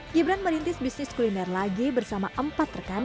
gibran merintis bisnis kuliner lagi bersama empat rekan